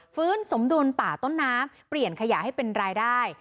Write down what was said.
ฟื้นสมดุลป่าต้นน้ำเปลี่ยนขยะให้เป็นรายได้